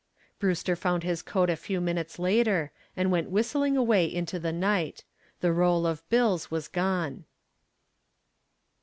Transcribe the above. Brewster found his coat a few minutes later, and went whistling away into the night. The roll of bills was gone.